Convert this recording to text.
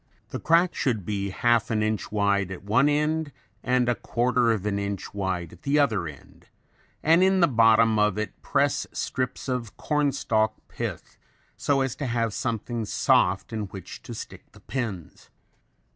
The crack should be half an inch wide at one end and a quarter of an inch wide at the other end, and in the bottom of it press strips of cornstalk pith so as to have something soft in which to stick the pins.